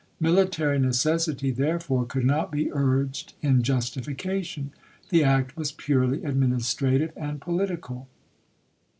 Military necessity, there fore, could not be urged in justification. The act was purely administrative and political.